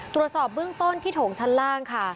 ตรวจสอบเบื้องต้นที่โถงชั้นล่างค่ะ